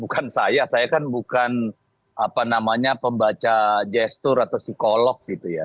bukan saya saya kan bukan apa namanya pembaca gestur atau psikolog gitu ya